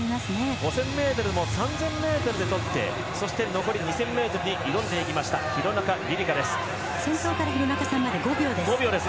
５０００ｍも帽子を３０００ｍで取ってそして残り２０００ｍに挑んでいきました廣中璃梨佳です。